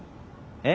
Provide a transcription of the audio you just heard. え？